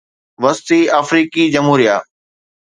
وسطي آفريقي جمهوريه